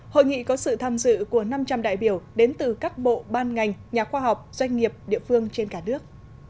hội nghị có sự tham dự của năm trăm linh đại biểu đến từ các bộ ban ngành nhà khoa học doanh nghiệp địa phương trên cả nước